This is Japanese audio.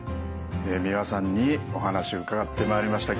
三輪さんにお話伺ってまいりました。